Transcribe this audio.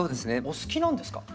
お好きなんですか？